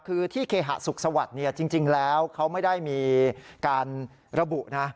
คือที่เคหสุขสวัสดิ์จริงแล้วเขาไม่ได้มีการระบุนะ